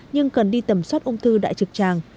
nhưng cần đi tầm soát ung thư đại trực tràng